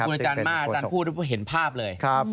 คุณอาจารย์มากอาจารย์พูดเห็นภาพเลย